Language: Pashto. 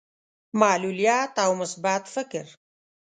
معلوليت او مثبت فکر.